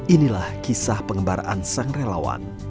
inilah kisah pengembaraan sang relawan